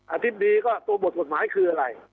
อธิบดีก็ตัวบทกฎหมายคืออะไร